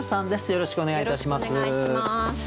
よろしくお願いします。